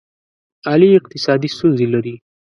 علي اقتصادي ستونزې لري.